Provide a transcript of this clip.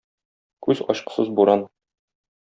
Күз ачкысыз буран.